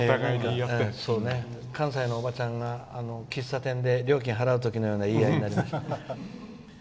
関西のおばちゃんが喫茶店で料金を払う時のような言い合いになりました。